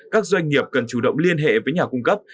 các doanh nghiệp cần chủ động liên hệ với nhà cung cấp